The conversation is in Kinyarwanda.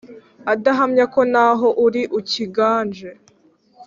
Ndahamya ko naho uri ukiganje